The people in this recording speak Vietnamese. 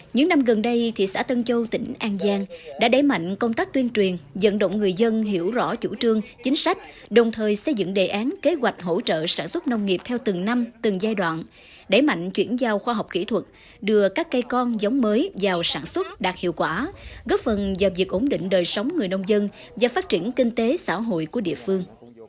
những năm gần đây thị xã tân châu tỉnh an giang đã đẩy mạnh công tác tuyên truyền dẫn động người dân hiểu rõ chủ trương chính sách đồng thời xây dựng đề án kế hoạch hỗ trợ sản xuất nông nghiệp theo từng năm từng giai đoạn đẩy mạnh chuyển giao khoa học kỹ thuật đưa các cây con giống mới vào sản xuất đạt hiệu quả góp phần do việc ổn định đời sống người nông dân và phát triển kinh tế xã hội của địa phương